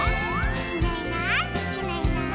「いないいないいないいない」